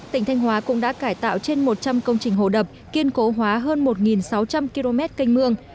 tỉnh thanh hóa cũng đã cải tạo trên một trăm linh công trình hồ đập kiên cố hóa hơn một sáu trăm linh km canh mương